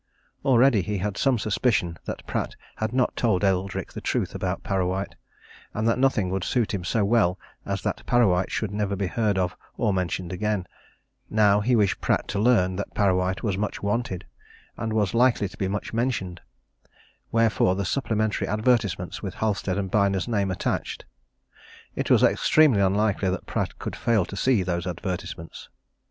Already he had some suspicion that Pratt had not told Eldrick the truth about Parrawhite, and that nothing would suit him so well as that Parrawhite should never be heard of or mentioned again: now he wished Pratt to learn that Parrawhite was much wanted, and was likely to be much mentioned wherefore the supplementary advertisements with Halstead & Byner's name attached. It was extremely unlikely that Pratt could fail to see those advertisements.